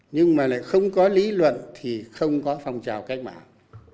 nhưng mà lại không có lý luận thì không có phong trào cách mạng